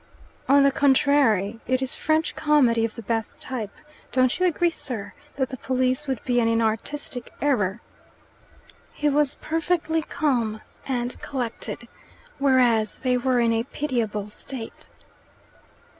"On the contrary; it is French comedy of the best type. Don't you agree, sir, that the police would be an inartistic error?" He was perfectly calm and collected, whereas they were in a pitiable state.